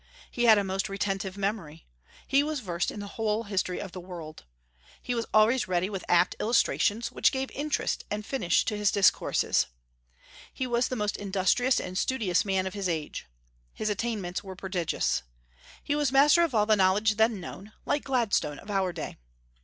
He had a most retentive memory. He was versed in the whole history of the world. He was always ready with apt illustrations, which gave interest and finish to his discourses. He was the most industrious and studious man of his age. His attainments were prodigious. He was master of all the knowledge then known, like Gladstone of our day.